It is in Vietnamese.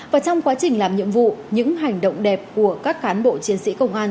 và trong quá trình làm nhiệm vụ những hành động đẹp của các cán bộ chiến sĩ công an